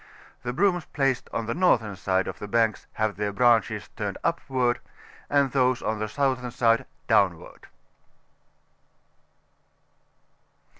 The brooms placed on tlie northern side of the banks have tl^ branches turned upward, and those on the southern side, downward.